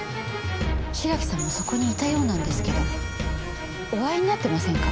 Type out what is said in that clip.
白木さんもそこにいたようなんですけどお会いになってませんか？